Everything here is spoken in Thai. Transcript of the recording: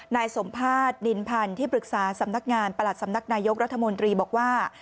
นายสมภาษณ์นินพันธ์ที่ปรึกษาสำนักงานประหลัดสำนักนายกรัฐมนตรีบอกว่า